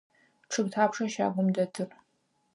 Чъыг тхьапша щагум дэтыр?